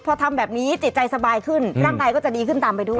พอทำแบบนี้จิตใจสบายขึ้นร่างกายก็จะดีขึ้นตามไปด้วย